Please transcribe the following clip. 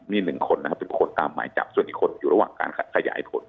มี๑คนนะครับ๑คนตามหมายจับส่วนอีกคนอยู่ระหว่างการขยายผล